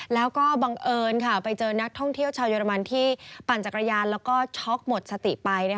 แล้วก็บังเอิญไปเจอนักท่องเที่ยวชาวเยอรมันที่ปั่นจักรยานแล้วก็ช็อกหมดสติไป